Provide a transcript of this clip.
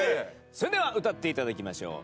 それでは歌って頂きましょう。